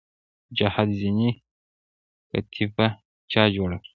چهل زینې کتیبه چا جوړه کړه؟